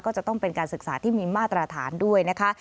ก็จะต้องเป็นการศึกษาที่มีมาตรฐานด้วยนะคะ